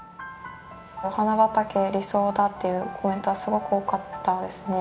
「お花畑」「理想だ」というコメントはすごく多かったですね。